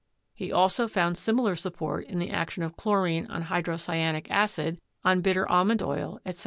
He also found similar support in the action of chlorine on hydrocyanic acid, on bitter almond oil, etc.